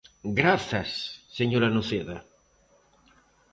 Grazas, señora Noceda.